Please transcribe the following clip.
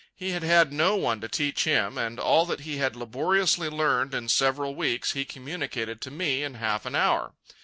He had had no one to teach him, and all that he had laboriously learned in several weeks he communicated to me in half an hour.